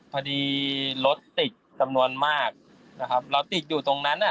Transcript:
พอดีรถติดจำนวนมากนะครับเราติดอยู่ตรงนั้นอ่ะ